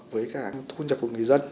với cả thu nhập của người dân